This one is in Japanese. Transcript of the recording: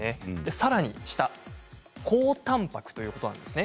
さらに下高たんぱくということなんです。